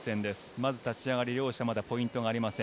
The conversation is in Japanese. まず立ち上がり、両者まだポイントがありません。